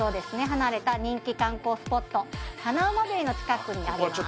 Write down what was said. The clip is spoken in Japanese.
離れた人気観光スポットハナウマベイの近くにあります